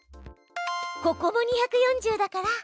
ここも２４０だから。